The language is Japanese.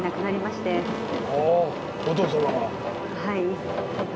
はい。